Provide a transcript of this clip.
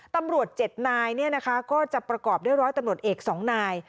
ตำรวจ๗นายก็จะประกอบด้วยร้อยตำรวจเอก๒นาย